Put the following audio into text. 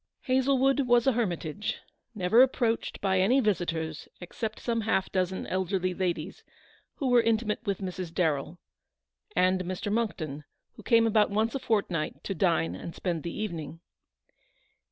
Hazlewood was a hermi tage, never approached by any visitors except some half dozen elderly ladies, who were intimate with Mrs. Darrell, and Mr. Monckton, who came about once a fortnight to dine and spend the evening.